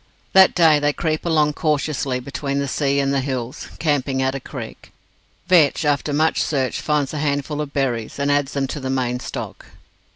That day they creep along cautiously between the sea and the hills, camping at a creek. Vetch, after much search, finds a handful of berries, and adds them to the main stock.